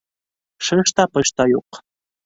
Шыш та, пыш та юҡ.